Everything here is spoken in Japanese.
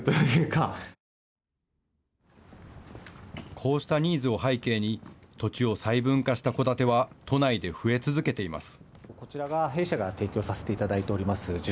こうしたニーズを背景に土地を細分化した戸建ては都内で増え続けています。